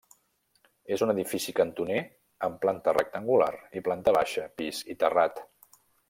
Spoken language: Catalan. És un edifici cantoner, amb planta rectangular, i planta baixa, pis i terrat.